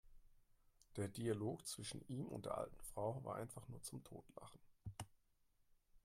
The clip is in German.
Der Dialog zwischen ihm und der alten Frau war einfach zum Totlachen!